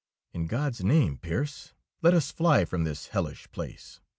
"In God's name, Pearse, let us fly from this hellish place!"